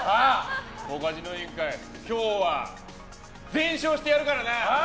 ポカジノ委員会、今日は全勝してやるからな！